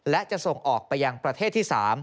และจะส่งออกไปยังประเทศที่๓